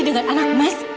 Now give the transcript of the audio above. dengan anak mas